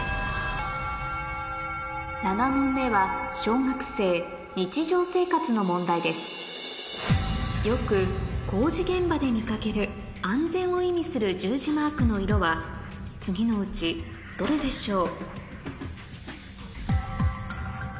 ７問目は小学生の問題ですよく工事現場で見掛ける安全を意味する十字マークの色は次のうちどれでしょう？